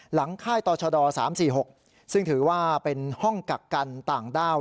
หลังค่ายต่อชะดอร์สามสี่หกซึ่งถือว่าเป็นห้องกักกันต่างดาว